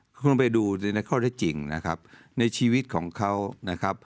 คุณต้องไปดูในข้อเรื่องจริงในชีวิตของเขา